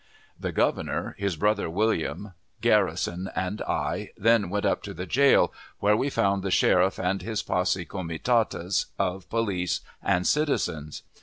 The Governor, his brother William, Garrison, and I, then went up to the jail, where we found the sheriff and his posse comitatus of police and citizens.